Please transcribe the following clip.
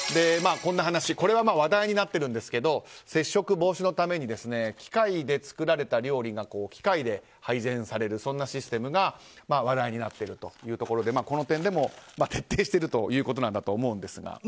こんな話これは話題になっているんですが接触防止のために機械で作られた料理が機械で配膳されるというシステムが話題になっているというところでこの点でも徹底しているということなんだと思うんですが。